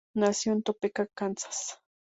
Nació en Topeka, Kansas.